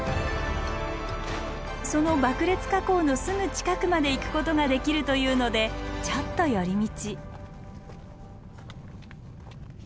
その爆裂火口のすぐ近くまで行くことができるというのでちょっと寄り道。